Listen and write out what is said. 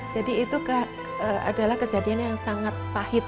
jadi itu adalah kejadian yang sangat pahit